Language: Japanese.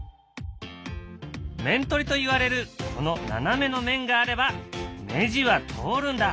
面取りといわれるこの斜めの面があればネジは通るんだ。